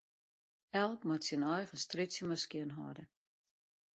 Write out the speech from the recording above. Elk moat syn eigen strjitsje mar skjinhâlde.